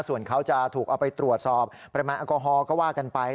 ส่วนเขาจะถูกเอาไปตรวจสอบปริมาณแอลกอฮอลก็ว่ากันไป